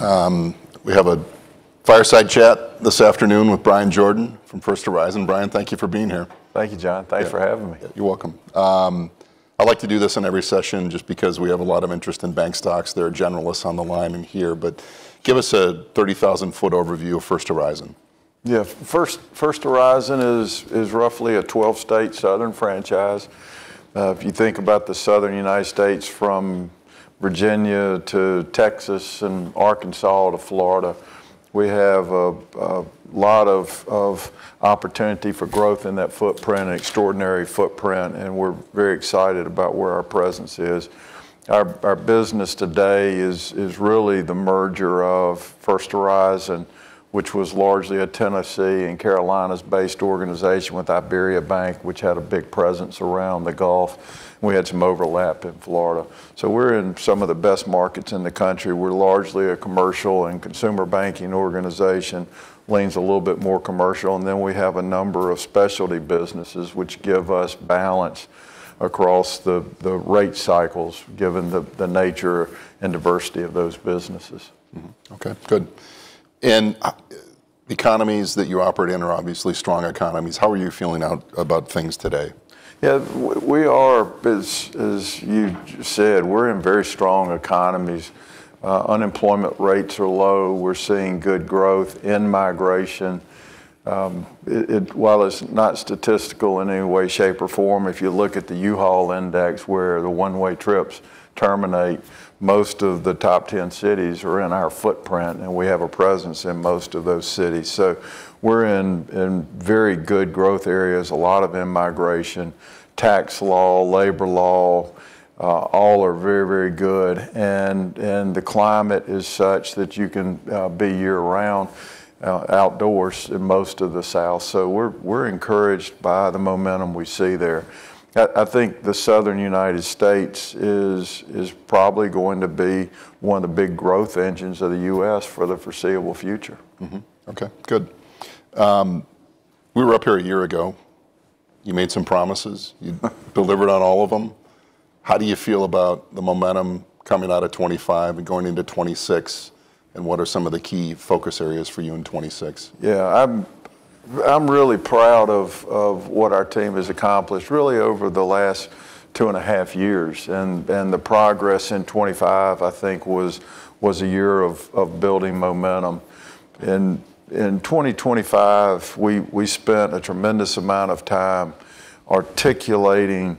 We have a fireside chat this afternoon with Bryan Jordan from First Horizon. Bryan, thank you for being here. Thank you, Jon. Thanks for having me. You're welcome. I like to do this in every session just because we have a lot of interest in bank stocks. There are generalists on the line and here, but give us a 30,000-foot overview of First Horizon. Yeah. First Horizon is roughly a 12-state southern franchise. If you think about the Southern United States from Virginia to Texas and Arkansas to Florida, we have a lot of opportunity for growth in that footprint, an extraordinary footprint, and we're very excited about where our presence is. Our business today is really the merger of First Horizon, which was largely a Tennessee and Carolinas-based organization, with IberiaBank, which had a big presence around the Gulf, and we had some overlap in Florida. We're in some of the best markets in the country. We're largely a commercial and consumer banking organization, leans a little bit more commercial, and then we have a number of specialty businesses which give us balance across the rate cycles, given the nature and diversity of those businesses. Okay. Good. Economies that you operate in are obviously strong economies. How are you feeling about things today? Yeah. We are, as you said, we're in very strong economies. Unemployment rates are low. We're seeing good growth, in-migration. While it's not statistical in any way, shape, or form, if you look at the U-Haul index, where the one-way trips terminate, most of the top 10 cities are in our footprint, and we have a presence in most of those cities. We're in very good growth areas, a lot of in-migration. Tax law, labor law, all are very, very good. The climate is such that you can be year-round outdoors in most of the South. We're encouraged by the momentum we see there. I think the Southern United States is probably going to be one of the big growth engines of the U.S. for the foreseeable future. Mm-hmm. Okay. Good. We were up here a year ago. You made some promises. You delivered on all of them. How do you feel about the momentum coming out of 2025 and going into 2026, and what are some of the key focus areas for you in 2026? Yeah. I'm really proud of what our team has accomplished really over the last 2.5 years. The progress in 2025, I think, was a year of building momentum. In 2025, we spent a tremendous amount of time articulating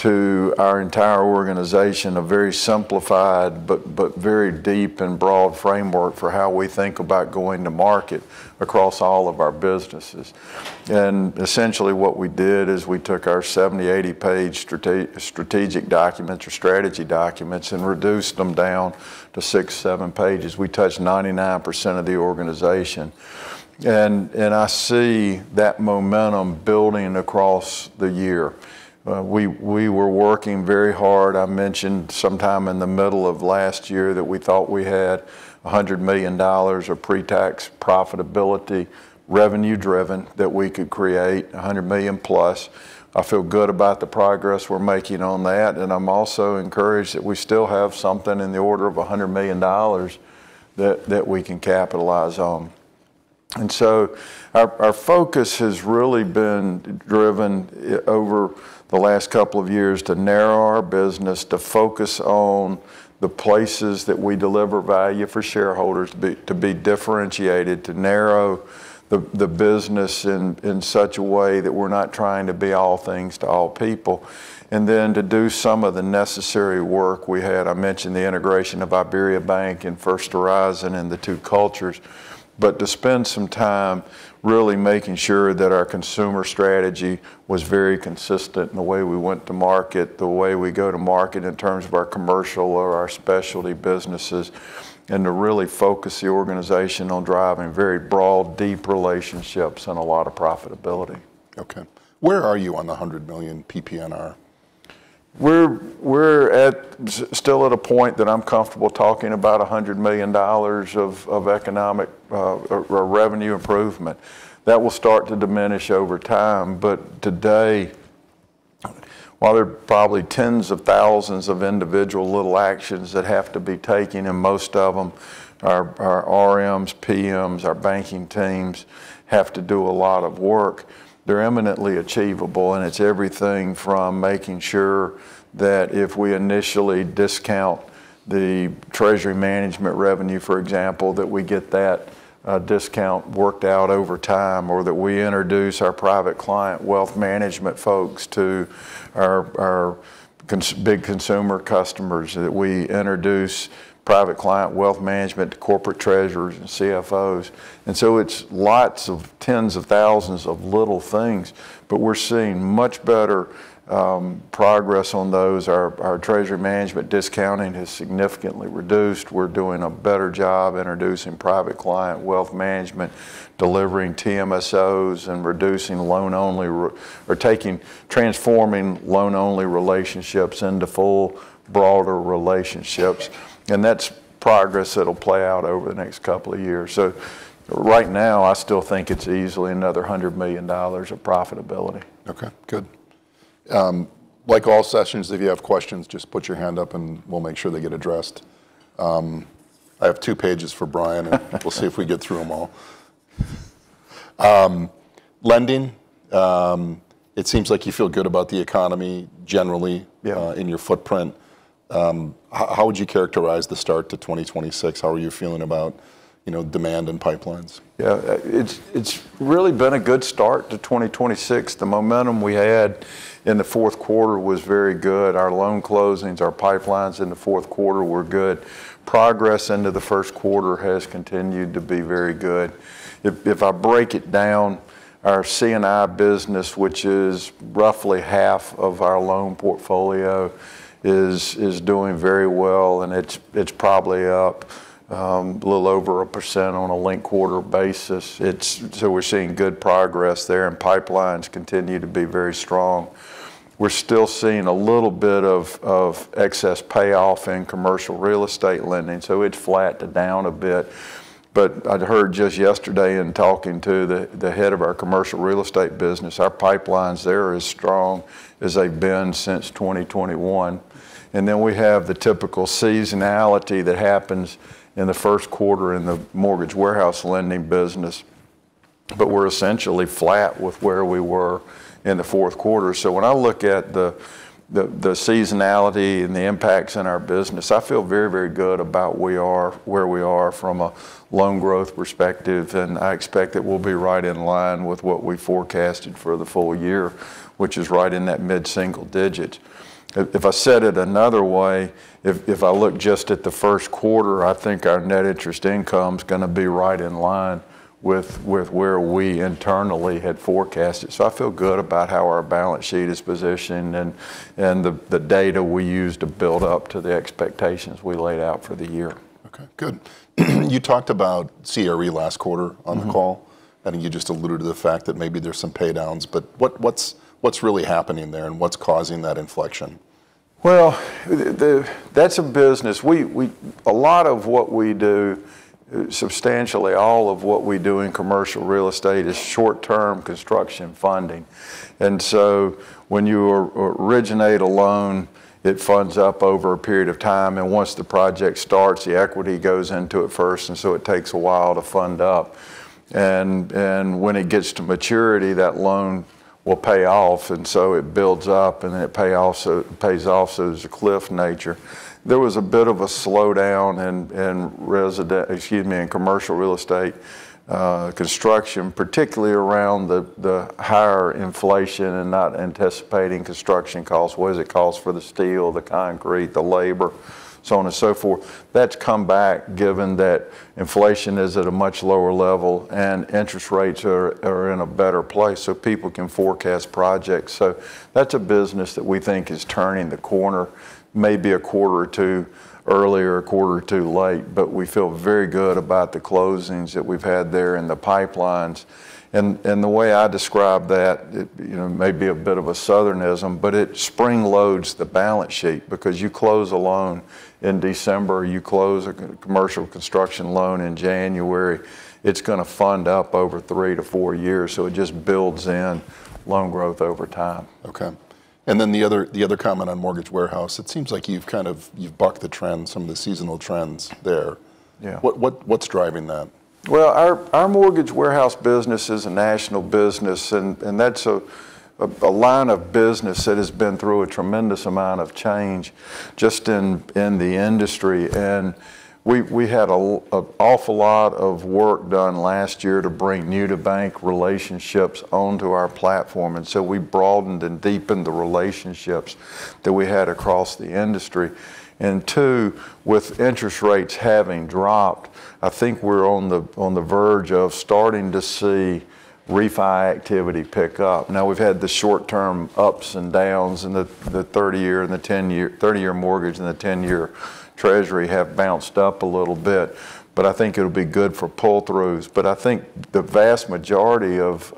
to our entire organization a very simplified, but very deep and broad framework for how we think about going to market across all of our businesses. Essentially, what we did is we took our 70- to 80-page strategic documents or strategy documents and reduced them down to 6-7 pages. We touched 99% of the organization. I see that momentum building across the year. We were working very hard. I mentioned sometime in the middle of last year that we thought we had $100 million of pre-tax profitability, revenue-driven, that we could create, $100 million-plus. I feel good about the progress we're making on that, and I'm also encouraged that we still have something in the order of $100 million that we can capitalize on. Our focus has really been driven over the last couple of years to narrow our business, to focus on the places that we deliver value for shareholders, to be differentiated, to narrow the business in such a way that we're not trying to be all things to all people. To do some of the necessary work we had, I mentioned the integration of IberiaBank and First Horizon and the two cultures, but to spend some time really making sure that our consumer strategy was very consistent in the way we went to market, the way we go to market in terms of our commercial or our specialty businesses, and to really focus the organization on driving very broad, deep relationships and a lot of profitability. Okay. Where are you on the $100 million PPNR? We're still at a point that I'm comfortable talking about $100 million of economic or revenue improvement. That will start to diminish over time. Today, while there are probably tens of thousands of individual little actions that have to be taken, and most of them are RMs, PMs, our banking teams have to do a lot of work, they're eminently achievable. It's everything from making sure that if we initially discount the Treasury Management revenue, for example, that we get that discount worked out over time, or that we introduce our Private Client Wealth Management folks to our big consumer customers, that we introduce Private Client Wealth Management to corporate treasurers and CFOs. It's lots of tens of thousands of little things. We're seeing much better progress on those. Our Treasury Management discounting has significantly reduced. We're doing a better job introducing Private Client Wealth Management, delivering TM solutions and reducing loan-only relationships, transforming loan-only relationships into full broader relationships. That's progress that'll play out over the next couple of years. Right now, I still think it's easily another $100 million of profitability. Okay. Good. Like all sessions, if you have questions, just put your hand up and we'll make sure they get addressed. I have two pages for Bryan. We'll see if we get through them all. Lending, it seems like you feel good about the economy generally. Yeah in your footprint. How would you characterize the start to 2026? How are you feeling about, you know, demand and pipelines? Yeah. It's really been a good start to 2026. The momentum we had in the fourth quarter was very good. Our loan closings, our pipelines in the fourth quarter were good. Progress into the first quarter has continued to be very good. If I break it down, our C&I business, which is roughly half of our loan portfolio, is doing very well, and it's probably up a little over 1% on a linked quarter basis. So we're seeing good progress there, and pipelines continue to be very strong. We're still seeing a little bit of excess payoff in commercial real estate lending, so it flattened down a bit. I'd heard just yesterday in talking to the head of our commercial real estate business, our pipelines there are as strong as they've been since 2021. We have the typical seasonality that happens in the first quarter in the Mortgage Warehouse Lending business. We're essentially flat with where we were in the fourth quarter. When I look at the seasonality and the impacts in our business. I feel very, very good about where we are from a loan growth perspective, and I expect that we'll be right in line with what we forecasted for the full year, which is right in that mid-single digit. If I said it another way, if I look just at the first quarter, I think our net interest income's going to be right in line with where we internally had forecasted. I feel good about how our balance sheet is positioned and the data we use to build up to the expectations we laid out for the year. Okay. Good. You talked about CRE last quarter on the call. Mm-hmm. I think you just alluded to the fact that maybe there's some paydowns. What's really happening there, and what's causing that inflection? That's a business. A lot of what we do, substantially all of what we do in commercial real estate is short-term construction funding. When you originate a loan, it funds up over a period of time, and once the project starts, the equity goes into it first, and so it takes a while to fund up. When it gets to maturity, that loan will pay off, and so it builds up and it pays off, so there's a cliff nature. There was a bit of a slowdown in commercial real estate construction, particularly around the higher inflation and not anticipating construction costs, what it costs for the steel, the concrete, the labor, so on and so forth. That's come back given that inflation is at a much lower level and interest rates are in a better place, so people can forecast projects. That's a business that we think is turning the corner maybe a quarter or two early or a quarter or two late. We feel very good about the closings that we've had there and the pipelines. The way I describe that, it may be a bit of a Southernism, but it spring loads the balance sheet because you close a loan in December, you close a commercial construction loan in January, it's going to fund up over 3-4 years. It just builds in loan growth over time. Okay. The other comment on Mortgage Warehouse, it seems like you've kind of bucked the trend, some of the seasonal trends there. Yeah. What's driving that? Well, our Mortgage Warehouse business is a national business, and that's a line of business that has been through a tremendous amount of change just in the industry. We had an awful lot of work done last year to bring new-to-bank relationships onto our platform, and so we broadened and deepened the relationships that we had across the industry. Too, with interest rates having dropped, I think we're on the verge of starting to see refi activity pick up. Now, we've had the short-term ups and downs in the 30-year and the 10-year. The 30-year mortgage and the 10-year Treasury have bounced up a little bit, but I think it'll be good for pull-throughs. I think the vast majority of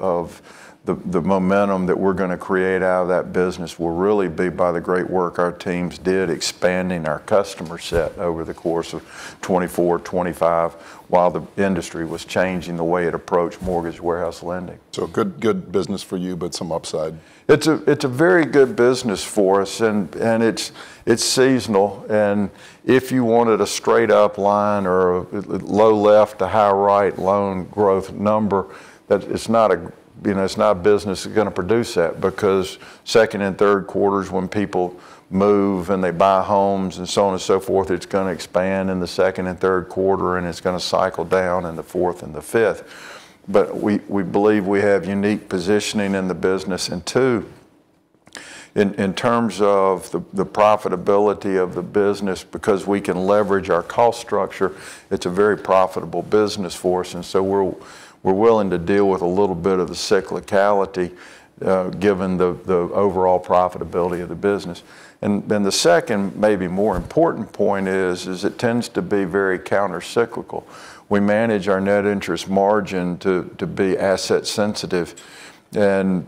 the momentum that we're going to create out of that business will really be by the great work our teams did expanding our customer set over the course of 2024-2025, while the industry was changing the way it approached Mortgage Warehouse Lending. Good business for you, but some upside. It's a very good business for us and it's seasonal. If you wanted a straight up line or low left to high right loan growth number it's not a business that's going to produce that. Because second and third quarter is when people move, and they buy homes and so on and so forth. It's going to expand in the second and third quarter, and it's going to cycle down in the fourth and the fifth. We believe we have unique positioning in the business. Too, in terms of the profitability of the business, because we can leverage our cost structure, it's a very profitable business for us. We're willing to deal with a little bit of the cyclicality, given the overall profitability of the business. The second, maybe more important point is, it tends to be very countercyclical. We manage our net interest margin to be asset sensitive. When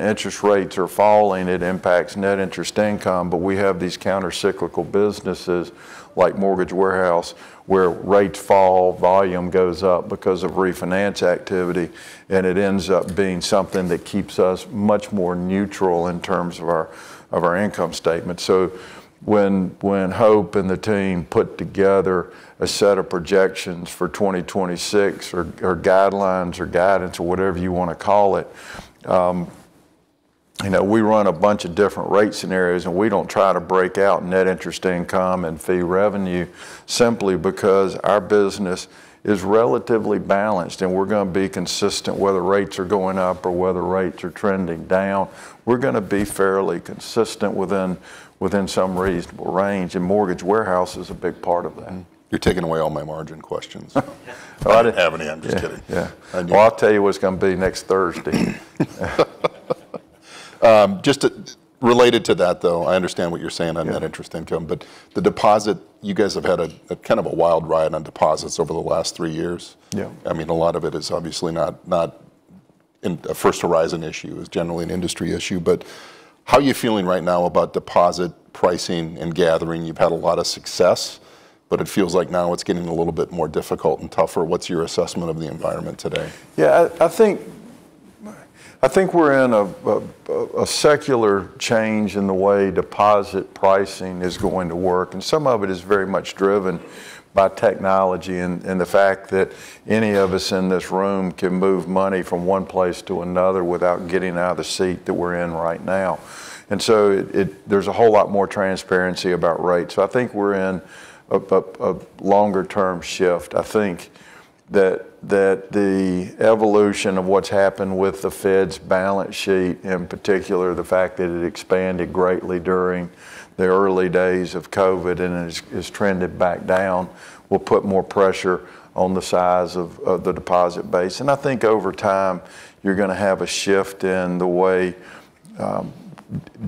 interest rates are falling, it impacts net interest income. We have these countercyclical businesses like Mortgage Warehouse, where rates fall, volume goes up because of refinance activity, and it ends up being something that keeps us much more neutral in terms of our income statement. When Hope and the team put together a set of projections for 2026 or guidelines or guidance or whatever you want to call it we run a bunch of different rate scenarios, and we don't try to break out net interest income and fee revenue simply because our business is relatively balanced, and we're going to be consistent whether rates are going up or whether rates are trending down. We're going to be fairly consistent within some reasonable range. Mortgage Warehouse is a big part of that. You're taking away all my margin questions. Well. I didn't have any. I'm just kidding. Yeah, yeah. And you- Well, I'll tell you what it's going to be next Thursday. Related to that though, I understand what you're saying on that interest income. Yeah. The deposit, you guys have had a kind of a wild ride on deposits over the last three years. Yeah. I mean, a lot of it is obviously not in a First Horizon issue. It's generally an industry issue. How are you feeling right now about deposit pricing and gathering? You've had a lot of success, but it feels like now it's getting a little bit more difficult and tougher. What's your assessment of the environment today? Yeah, I think we're in a secular change in the way deposit pricing is going to work, and some of it is very much driven by technology and the fact that any of us in this room can move money from one place to another without getting out of the seat that we're in right now. There's a whole lot more transparency about rates. I think we're in a longer term shift. I think that the evolution of what's happened with the Federal Reserve's balance sheet, in particular the fact that it expanded greatly during the early days of COVID and has trended back down, will put more pressure on the size of the deposit base. I think over time, you're going to have a shift in the way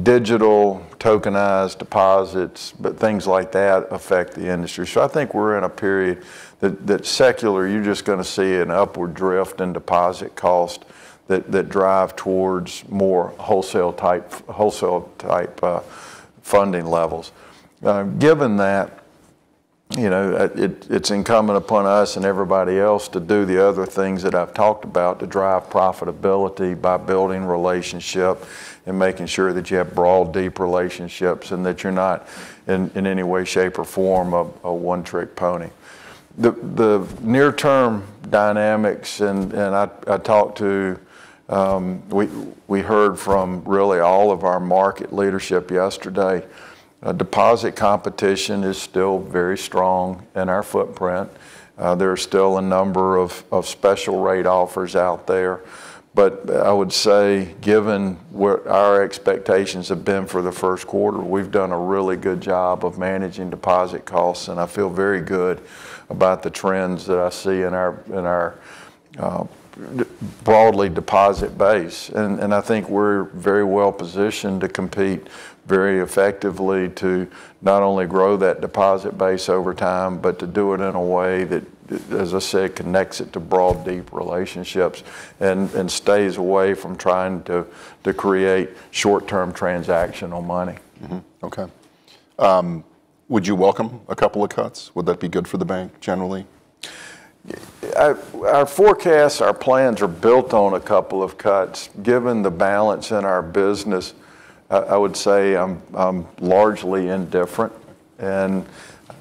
digital tokenized deposits, things like that affect the industry. I think we're in a period that secular you're just going to see an upward drift in deposit cost that drive towards more wholesale type funding levels. Given that it's incumbent upon us and everybody else to do the other things that I've talked about to drive profitability by building relationship and making sure that you have broad, deep relationships and that you're not in any way, shape, or form a one-trick pony. The near term dynamics, and we heard from really all of our market leadership yesterday, deposit competition is still very strong in our footprint. There are still a number of special rate offers out there. I would say given what our expectations have been for the first quarter, we've done a really good job of managing deposit costs, and I feel very good about the trends that I see in our broad deposit base. I think we're very well positioned to compete very effectively to not only grow that deposit base over time, but to do it in a way that as I say connects it to broad, deep relationships and stays away from trying to create short-term transactional money. Okay. Would you welcome a couple of cuts? Would that be good for the bank generally? Yeah. Our forecasts, our plans are built on a couple of cuts. Given the balance in our business, I would say I'm largely indifferent.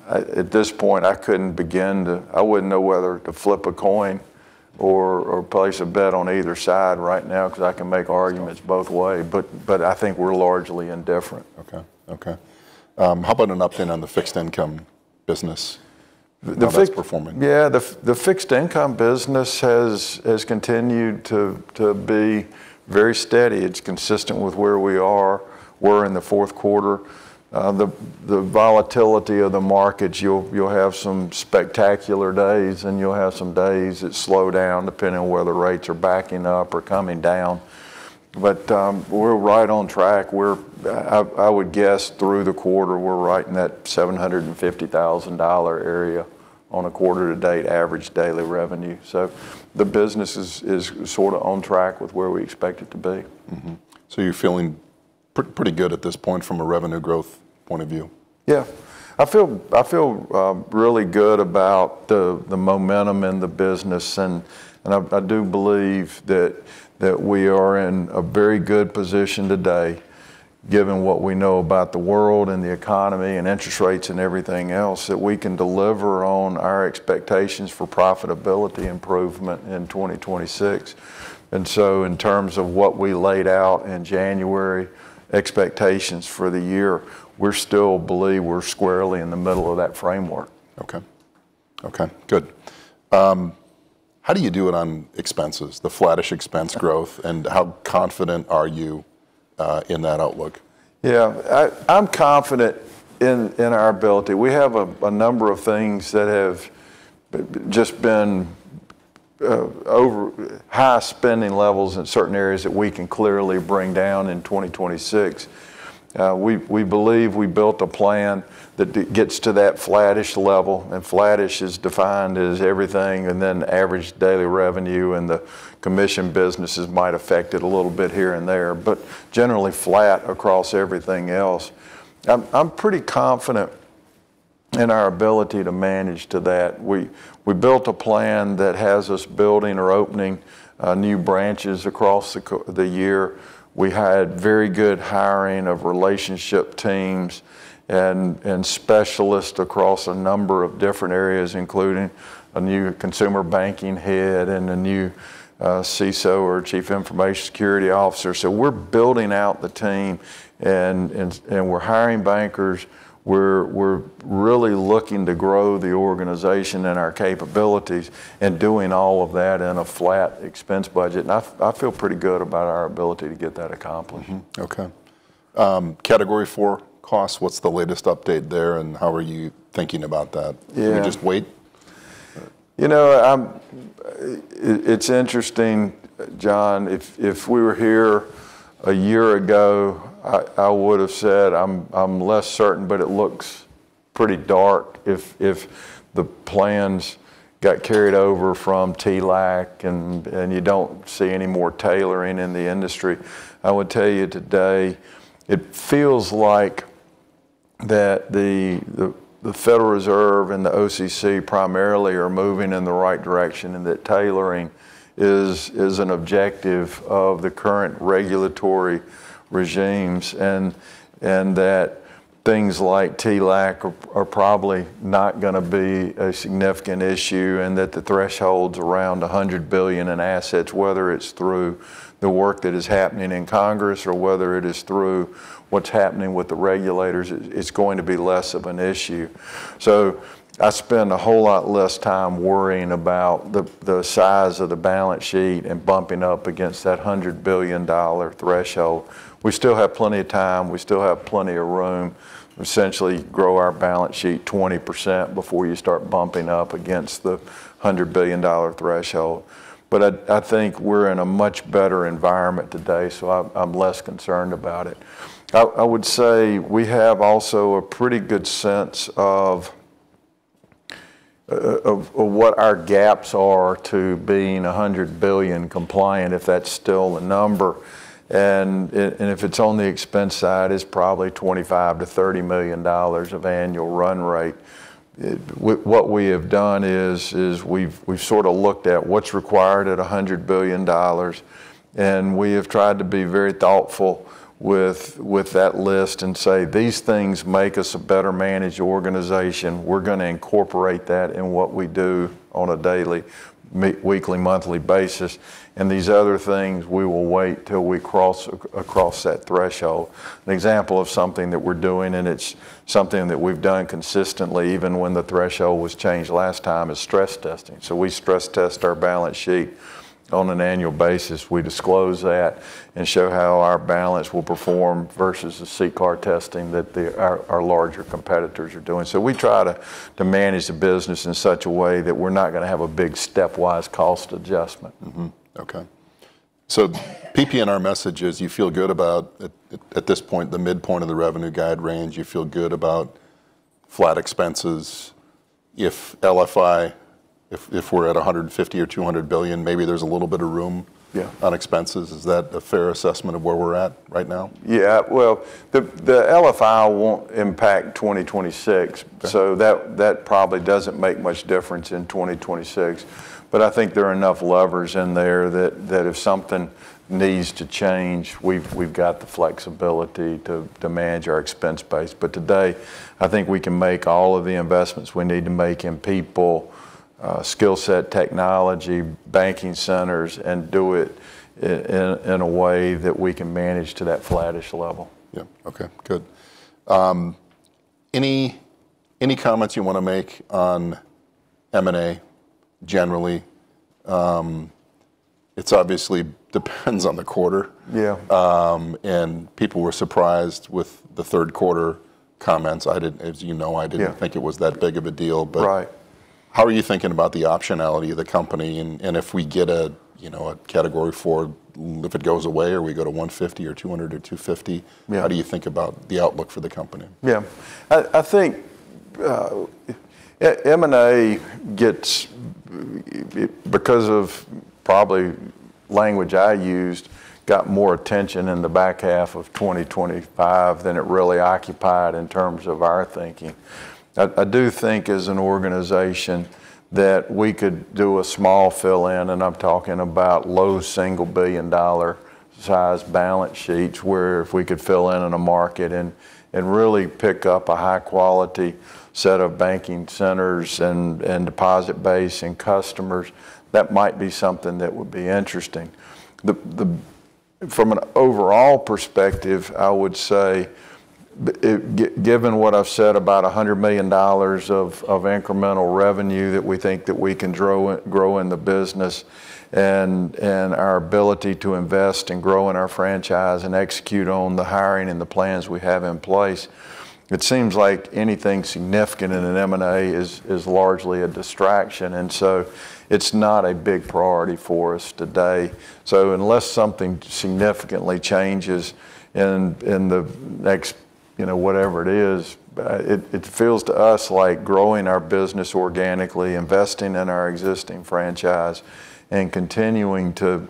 At this point I wouldn't know whether to flip a coin or place a bet on either side right now, because I can make arguments both ways. I think we're largely indifferent. Okay. How about an update on the Fixed Income business? The fix- How that's performing. Yeah. The Fixed Income business has continued to be very steady. It's consistent with where we are. We're in the fourth quarter of the volatility of the markets. You'll have some spectacular days, and you'll have some days that slow down depending on whether rates are backing up or coming down. We're right on track. I would guess through the quarter, we're right in that $750,000 area on a quarter to date average daily revenue. The business is sorta on track with where we expect it to be. You're feeling pretty good at this point from a revenue growth point of view? Yeah. I feel really good about the momentum in the business and I do believe that we are in a very good position today given what we know about the world and the economy and interest rates and everything else, that we can deliver on our expectations for profitability improvement in 2026. In terms of what we laid out in January, expectations for the year, we still believe we're squarely in the middle of that framework. Okay. Okay, good. How do you do it on expenses, the flattish expense growth? How confident are you in that outlook? Yeah. I'm confident in our ability. We have a number of things that have just been overly high spending levels in certain areas that we can clearly bring down in 2026. We believe we built a plan that gets to that flattish level, and flattish is defined as everything and then average daily revenue and the commission businesses might affect it a little bit here and there. Generally flat across everything else. I'm pretty confident in our ability to manage to that. We built a plan that has us building or opening new branches across the year. We had very good hiring of relationship teams and specialists across a number of different areas, including a new consumer banking head and a new CISO or Chief Information Security Officer. We're building out the team and we're hiring bankers. We're really looking to grow the organization and our capabilities and doing all of that in a flat expense budget. I feel pretty good about our ability to get that accomplished. Category four costs, what's the latest update there, and how are you thinking about that? Yeah. Do you just wait? You know, it's interesting, Jon. If we were here a year ago, I would have said I'm less certain, but it looks pretty dark if the plans got carried over from TLAC and you don't see any more tailoring in the industry. I would tell you today, it feels like that the Federal Reserve and the OCC primarily are moving in the right direction. And that tailoring is an objective of the current regulatory regimes, and that things like TLAC are probably not going to be a significant issue, and that the thresholds around 100 billion in assets, whether it's through the work that is happening in Congress or whether it is through what's happening with the regulators, it's going to be less of an issue. I spend a whole lot less time worrying about the size of the balance sheet and bumping up against that $100 billion threshold. We still have plenty of time. We still have plenty of room to essentially grow our balance sheet 20% before you start bumping up against the $100 billion threshold. I think we're in a much better environment today, so I'm less concerned about it. I would say we have also a pretty good sense of what our gaps are to being $100 billion compliant, if that's still the number. If it's on the expense side, it's probably $25 million-$30 million of annual run rate. What we have done is we've sorta looked at what's required at $100 billion, and we have tried to be very thoughtful with that list and say, "These things make us a better managed organization. We're going to incorporate that in what we do on a daily, weekly, monthly basis. These other things, we will wait till we cross across that threshold." An example of something that we're doing, and it's something that we've done consistently even when the threshold was changed last time, is stress testing. We stress test our balance sheet on an annual basis. We disclose that and show how our balance will perform versus the CCAR testing that our larger competitors are doing. We try to manage the business in such a way that we're not going to have a big stepwise cost adjustment. PPNR, our message is you feel good about at this point, the midpoint of the revenue guide range. You feel good about flat expenses. If LFI, if we're at $150 billion or $200 billion, maybe there's a little bit of room. Yeah on expenses. Is that a fair assessment of where we're at right now? Yeah. Well, the LFI won't impact 2026. Okay. That probably doesn't make much difference in 2026. I think there are enough levers in there that if something needs to change, we've got the flexibility to manage our expense base. Today, I think we can make all of the investments we need to make in people, skill set, technology, banking centers, and do it in a way that we can manage to that flattish level. Yeah. Okay. Good. Any comments you want to make on M&A generally? It obviously depends on the quarter. Yeah. People were surprised with the third quarter comments. I didn't, as you know, Yeah Think it was that big of a deal, but. Right How are you thinking about the optionality of the company? If we get, you know, a Category IV, if it goes away, or we go to 150 or 200 or 250? Yeah How do you think about the outlook for the company? Yeah. I think M&A, because of probably language I used, got more attention in the back half of 2025 than it really occupied in terms of our thinking. I do think as an organization that we could do a small fill-in, and I'm talking about low single $1 billion-sized balance sheets, where if we could fill in in a market and really pick up a high-quality set of banking centers and deposit base and customers, that might be something that would be interesting. From an overall perspective, I would say, given what I've said about $100 million of incremental revenue that we think that we can grow in the business and our ability to invest and grow in our franchise and execute on the hiring and the plans we have in place, it seems like anything significant in an M&A is largely a distraction. It's not a big priority for us today. Unless something significantly changes in the next, you know, whatever it is, it feels to us like growing our business organically, investing in our existing franchise, and continuing to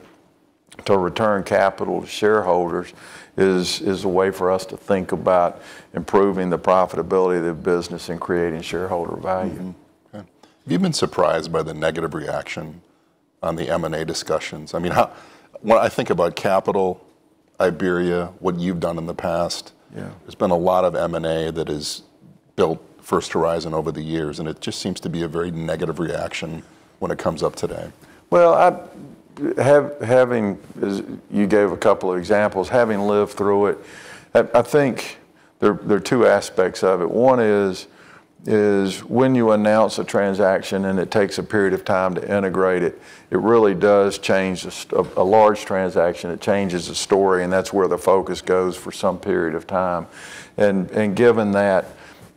return capital to shareholders is a way for us to think about improving the profitability of the business and creating shareholder value. Mm-hmm. Okay. Have you been surprised by the negative reaction on the M&A discussions? I mean, when I think about Capital, Iberia, what you've done in the past- Yeah There's been a lot of M&A that has built First Horizon over the years, and it just seems to be a very negative reaction when it comes up today. Well, as you gave a couple of examples, having lived through it, I think there are two aspects of it. One is when you announce a transaction and it takes a period of time to integrate it. It really does change. A large transaction changes the story, and that's where the focus goes for some period of time. Given that,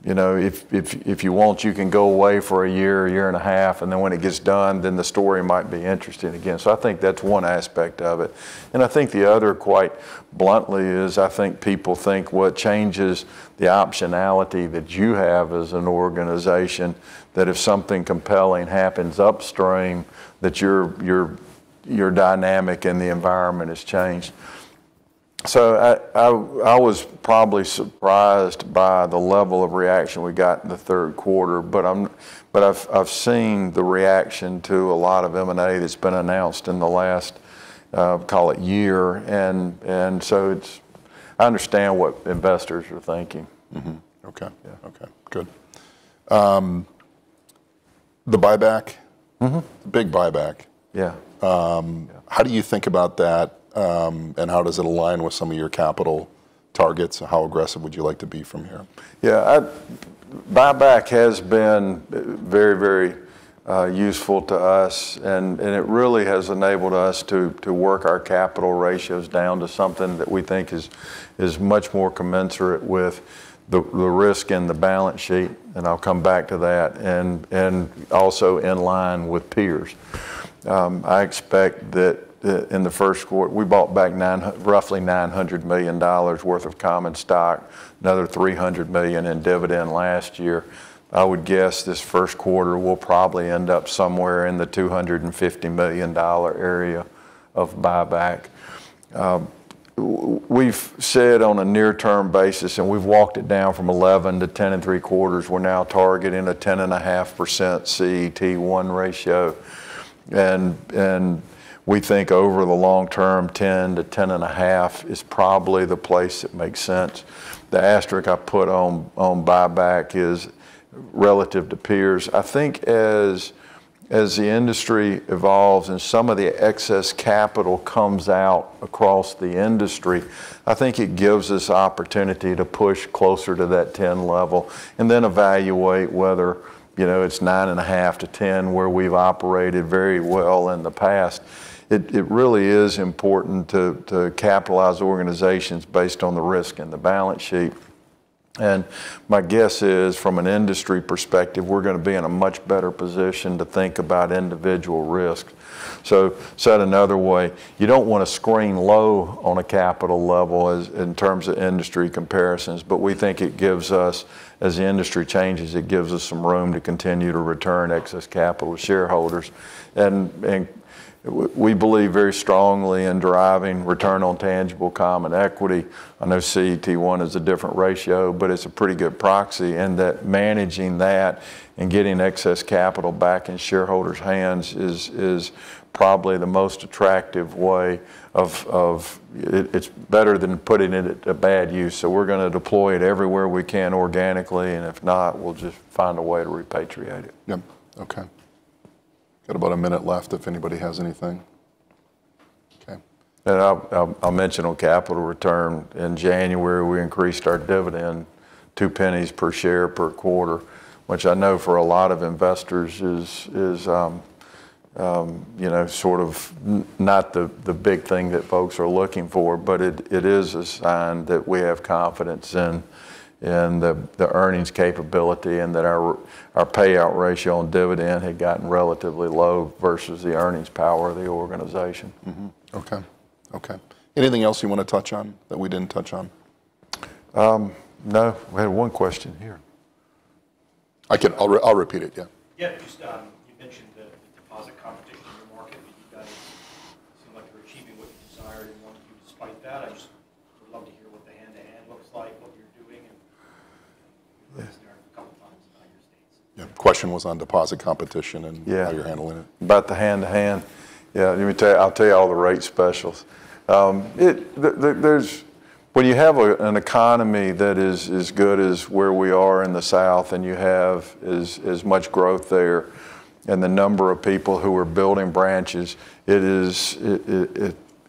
you know, if you want, you can go away for a year and a half, and then when it gets done, then the story might be interesting again. I think that's one aspect of it. I think the other, quite bluntly, is I think people think what changes the optionality that you have as an organization, that if something compelling happens upstream, that your dynamic in the environment has changed. I was probably surprised by the level of reaction we got in the third quarter, but I've seen the reaction to a lot of M&A that's been announced in the last, call it year, and I understand what investors are thinking. Mm-hmm. Okay. Yeah. Okay. Good. The buyback. Mm-hmm. Big buyback. Yeah. How do you think about that, and how does it align with some of your capital targets? How aggressive would you like to be from here? Yeah, buyback has been very useful to us, and it really has enabled us to work our capital ratios down to something that we think is much more commensurate with the risk and the balance sheet, and I'll come back to that, and also in line with peers. I expect that in the first quarter we bought back roughly $900 million worth of common stock, another $300 million in dividend last year. I would guess this first quarter will probably end up somewhere in the $250 million area of buyback. We've said on a near-term basis, and we've walked it down from 11 to 10.75, we're now targeting a 10.5% CET1 ratio, and we think over the long term, 10%-10.5% is probably the place that makes sense. The asterisk I put on buyback is relative to peers. I think as the industry evolves and some of the excess capital comes out across the industry, I think it gives us opportunity to push closer to that 10 level and then evaluate whether, you know, it's 9.5%-10%, where we've operated very well in the past. It really is important to capitalize organizations based on the risk and the balance sheet. My guess is, from an industry perspective, we're going to be in a much better position to think about individual risk. Said another way, you don't want to screen low on a capital level as in terms of industry comparisons, but we think it gives us, as the industry changes, it gives us some room to continue to return excess capital to shareholders. We believe very strongly in driving return on tangible common equity. I know CET1 is a different ratio, but it's a pretty good proxy in that managing that and getting excess capital back in shareholders' hands is probably the most attractive way of it's better than putting it at a bad use. We're going to deploy it everywhere we can organically, and if not, we'll just find a way to repatriate it. Yep. Okay. Got about a minute left if anybody has anything. Okay. I'll mention on capital return, in January we increased our dividend $0.02 per share per quarter, which I know for a lot of investors is, you know, sort of not the big thing that folks are looking for. It is a sign that we have confidence in the earnings capability and that our payout ratio on dividend had gotten relatively low versus the earnings power of the organization. Okay. Anything else you want to touch on that we didn't touch on? No. We had one question here. I'll repeat it. Yeah. Yeah, just, you mentioned the deposit competition in the market, but you guys seem like you're achieving what you desire and want to do despite that. I just would love to hear what the head-to-head looks like, what you're doing and Yeah. Ask there a couple times about your states. Yeah, question was on deposit competition. Yeah How you're handling it. About the head-to-head. Yeah, let me tell you, I'll tell you all the rate specials. There's when you have an economy that is as good as where we are in the South and you have as much growth there and the number of people who are building branches, it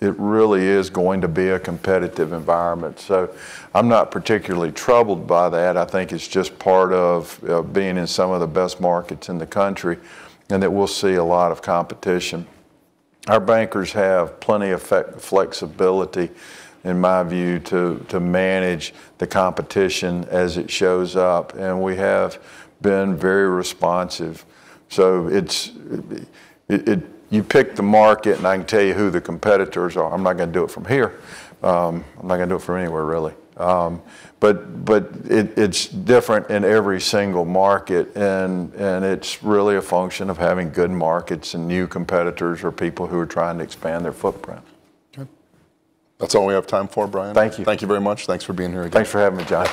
really is going to be a competitive environment. I'm not particularly troubled by that. I think it's just part of being in some of the best markets in the country, and that we'll see a lot of competition. Our bankers have plenty of flexibility in my view to manage the competition as it shows up, and we have been very responsive. It's you pick the market and I can tell you who the competitors are. I'm not going to do it from here. I'm not going to do it from anywhere, really. It's different in every single market and it's really a function of having good markets and new competitors or people who are trying to expand their footprint. Okay. That's all we have time for, Bryan. Thank you. Thank you very much. Thanks for being here again. Thanks for having me, Jon.